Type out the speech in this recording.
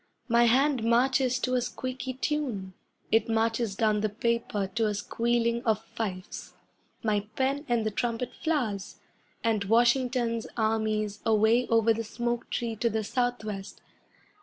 My hand marches to a squeaky tune, It marches down the paper to a squealing of fifes. My pen and the trumpet flowers, And Washington's armies away over the smoke tree to the Southwest.